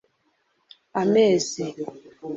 amezi